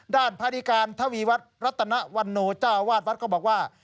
ด้านภาษีการทวีวัดรัตนวันนูจ้าวาดวัดก็บอกว่า